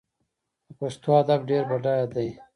د پښتو ادب ډیر بډایه دی.